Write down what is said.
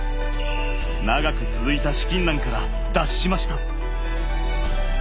長く続いた資金難から脱しました。